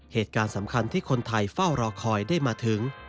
เหตุการณ์สำคัญที่คนไทยเฝ้ารอคอยได้มาถึง